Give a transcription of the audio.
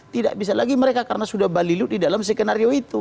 tidak bisa lagi mereka karena sudah balilu di dalam skenario itu